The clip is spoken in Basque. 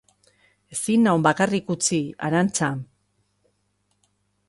Ezin naun bakarrik utzi, Arantza!